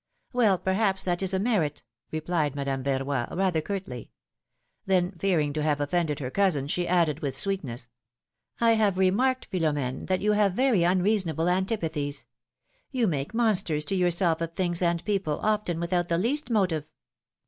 Well, perhaps that is a merit," replied Madame Verroy, rather curtly. Then, fearing to have offended her cousin, she added, with sweetness ; I have remarked, Philomene, that you have very unreasonable antipathies ; you make monsters to yourself of things and people, often without the least motive.